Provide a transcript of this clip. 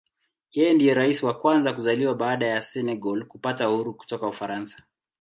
Yeye ndiye Rais wa kwanza kuzaliwa baada ya Senegal kupata uhuru kutoka Ufaransa.